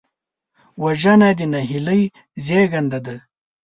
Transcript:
وژنه د نهیلۍ زېږنده ده